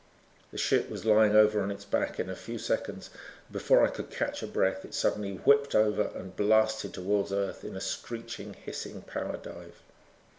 The ship was lying over on its back in a few seconds, and before I could catch a breath it suddenly whipped over and blasted toward Earth in a screeching, hissing power dive.